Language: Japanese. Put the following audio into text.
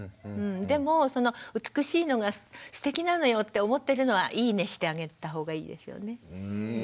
でも美しいのがすてきなのよって思ってるのはいいねしてあげた方がいいですよね。